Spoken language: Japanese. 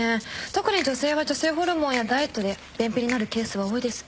特に女性は女性ホルモンやダイエットで便秘になるケースは多いです。